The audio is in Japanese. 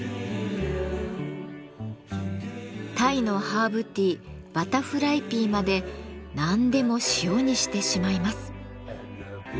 タイのハーブティーバタフライピーまで何でも塩にしてしまいます。